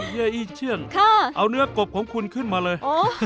เยาอีเชื่องเอาเนื้อกบของคุณขึ้นมาเลย